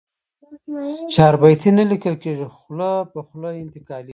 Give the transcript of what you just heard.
چاربیتې نه لیکل کېږي، خوله په خوله انتقالېږي.